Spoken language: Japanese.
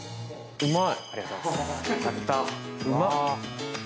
うまい？